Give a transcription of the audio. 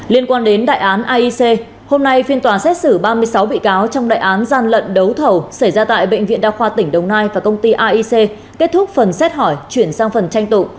liên quan đến đại án aic hôm nay phiên tòa xét xử ba mươi sáu bị cáo trong đại án gian lận đấu thầu xảy ra tại bệnh viện đa khoa tỉnh đồng nai và công ty aic kết thúc phần xét hỏi chuyển sang phần tranh tụng